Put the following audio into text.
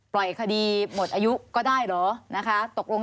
ปล่อยคดีหมดอายุก็ได้หรือ